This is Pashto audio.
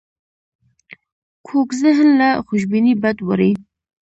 کوږ ذهن له خوشبینۍ بد وړي